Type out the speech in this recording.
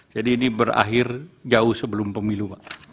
jadi ini berakhir jauh sebelum pemilu